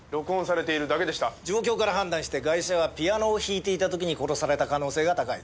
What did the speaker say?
状況から判断してガイシャはピアノを弾いていた時に殺された可能性が高い。